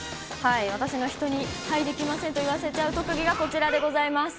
私の人にはい、できませんと言わせちゃう特技がこちらでございます。